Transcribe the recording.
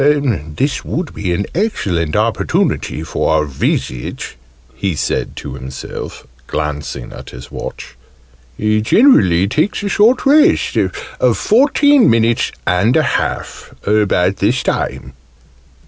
This would be an excellent opportunity for a visit," he said to himself, glancing at his watch: "he generally takes a short rest of fourteen minutes and a half about this time."